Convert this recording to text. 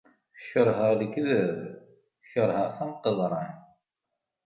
Kerheɣ lekdeb, kerheɣ-t am qeḍran.